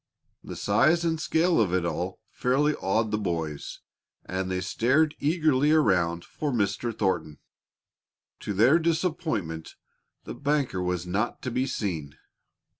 The size and scale of it all fairly awed the boys, and they stared eagerly around for Mr. Thornton. To their disappointment the banker was not to be seen.